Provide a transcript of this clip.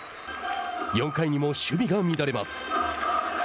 ４回にも守備が乱れます。